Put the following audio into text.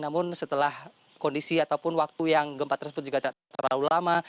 namun setelah kondisi ataupun waktu yang gempa tersebut juga tidak terlalu lama